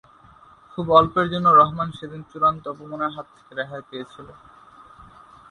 খুব অল্পের জন্য রহমান সেদিন চূড়ান্ত অপমানের হাত থেকে রেহাই পেয়েছিল।